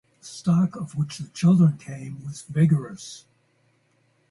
The stock of which the children came was vigorous.